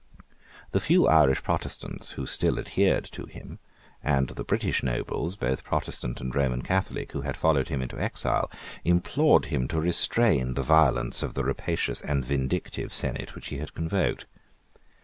The few Irish Protestants who still adhered to him, and the British nobles, both Protestant and Roman Catholic, who had followed him into exile, implored him to restrain the violence of the rapacious and vindictive senate which he had convoked.